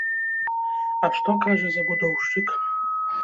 А што кажа забудоўшчык?